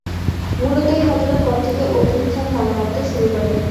মূলত এই ঘটনার পর থেকে অভ্যুত্থান দানা বাঁধতে শুরু করে।